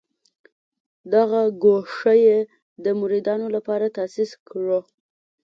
دغه ګوښه یې د مریدانو لپاره تاسیس کړه.